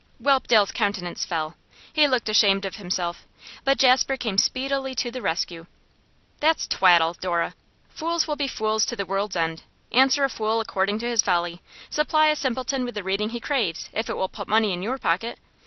Whelpdale's countenance fell. He looked ashamed of himself. But Jasper came speedily to the rescue. 'That's twaddle, Dora. Fools will be fools to the world's end. Answer a fool according to his folly; supply a simpleton with the reading he craves, if it will put money in your pocket.